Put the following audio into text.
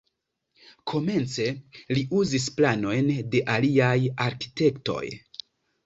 Komence li uzis planojn de aliaj arkitektoj.